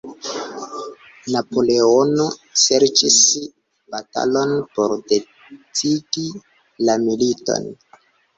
Napoleono serĉis batalon por decidi la militon.